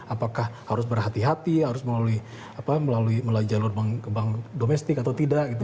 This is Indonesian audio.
apakah harus berhati hati harus melalui jalur domestik atau tidak gitu